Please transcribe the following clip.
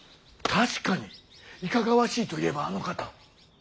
確かにいかがわしいといえばあの方。